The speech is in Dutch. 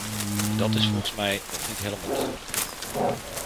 Dat is volgens mij nog niet helemaal duidelijk.